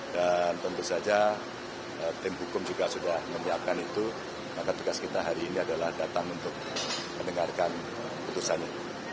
tentu saja tim hukum juga sudah menyiapkan itu maka tugas kita hari ini adalah datang untuk mendengarkan putusannya